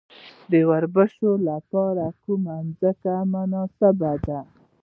د وربشو لپاره کومه ځمکه مناسبه ده؟